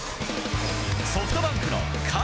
ソフトバンクの甲斐。